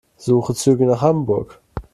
Suche Züge nach Hamburg.